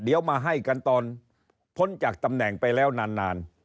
เดี๋ยวมาให้กันตอนพ้นจากตำแหน่งไปแล้วนาน